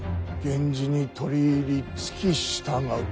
源氏に取り入り付き従う。